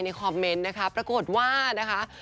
คอมเมนต์นะคะปรากฏว่านะคะ